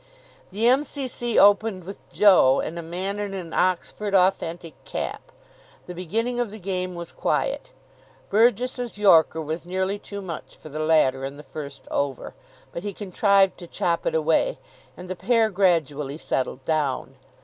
The M.C.C. opened with Joe and a man in an Oxford Authentic cap. The beginning of the game was quiet. Burgess's yorker was nearly too much for the latter in the first over, but he contrived to chop it away, and the pair gradually settled down.